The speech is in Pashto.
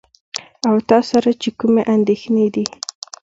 او تاسره چې کومې اندېښنې دي .